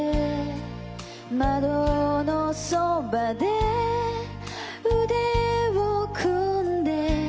「窓のそばで腕を組んで」